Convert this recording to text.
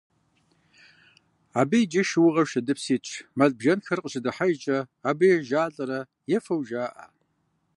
Абы иджы шыугъэу шэдыпс итщ, мэл-бжэнхэр къыщыдыхьэжкӏэ абы ежалӏэрэ ефэу жаӏэ.